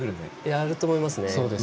やると思いますね。